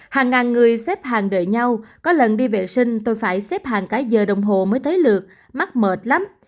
hàng ngàn người xếp hàng đợi nhau có lần đi vệ sinh tôi phải xếp hàng cả giờ đồng hồ mới thấy lượt mắc mệt lắm